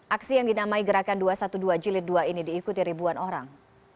aksi yang dinamai gerakan dua ratus dua belas jilid dua ini diikuti ribuan orang